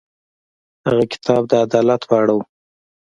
هغه کتاب د عدالت په اړه و.